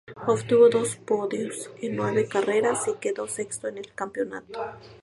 Obtuvo dos podios en nueve carreras, y quedó sexto en el campeonato.